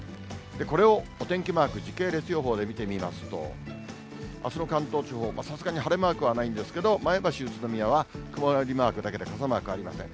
これをお天気マーク、時系列予報で見てみますと、あすの関東地方、さすがに晴れマークはないんですけど、前橋、宇都宮は、曇りマークだけで傘マークありません。